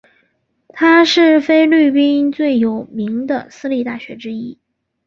它是菲律宾最有名的私立大学之一。